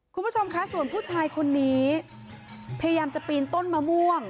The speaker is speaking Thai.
คุณผู้ชมคะส่วนผู้ชายคนนี้พยายามจะปีนต้นมะม่วง